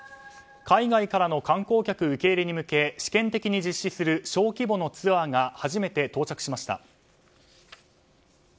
海外からの観光客受け入れに向け試験的に実施する小規模のツアーが初めて到着しました。